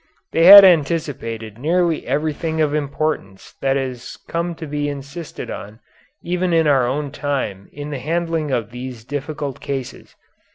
They had anticipated nearly everything of importance that has come to be insisted on even in our own time in the handling of these difficult cases.